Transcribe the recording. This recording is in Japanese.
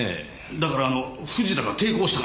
だからあの藤田が抵抗したのでは？